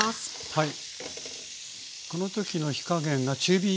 はい。